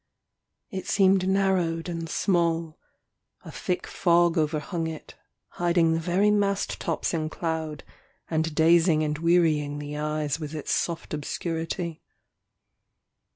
It seemed narrowed and small ; a thick fog overhung it, hiding the very mast tops in 317 POEMS IN PROSE cloud, and dazing and wearying the eyes with its soft obscurity.